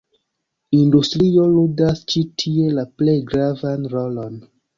Industrio ludas ĉi tie la plej gravan rolon.